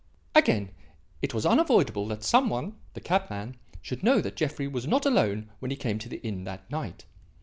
"Again; it was unavoidable that some one the cabman should know that Jeffrey was not alone when he came to the inn that night.